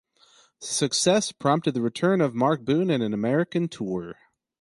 This success prompted the return of Mark Boon and an American tour.